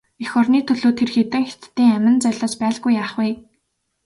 Эх орны төлөө тэр хэдэн хятадын амин золиос байлгүй яах вэ?